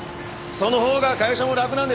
そのほうが会社も楽なんでしょ。